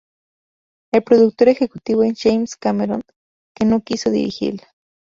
El productor ejecutivo es James Cameron, que no quiso dirigirla.